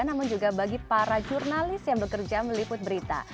namun juga bagi para jurnalis yang bekerja meliput berita